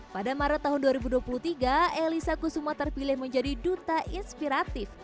pada maret tahun dua ribu dua puluh tiga elisa kusuma terpilih menjadi duta inspiratif